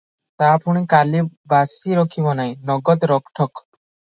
ତା ପୁଣି କାଲି ବାସି ରଖିବ ନାହିଁ, ନଗଦ ରୋକ ଠୋକ୍ ।